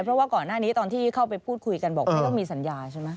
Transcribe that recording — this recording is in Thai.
เพราะว่าก่อนหน้านี้ตอนที่เข้าไปพูดคุยกันบอกไม่ต้องมีสัญญาใช่ไหม